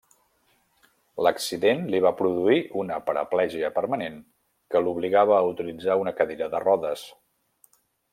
L'accident li va produir una paraplegia permanent que l’obligava a utilitzar una cadira de rodes.